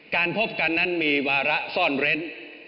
พบกันนั้นมีวาระซ่อนเร้น